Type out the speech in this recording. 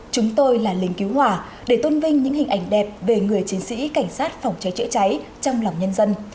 chúng tôi là lính cứu hỏa để tôn vinh những hình ảnh đẹp về người chiến sĩ cảnh sát phòng cháy chữa cháy trong lòng nhân dân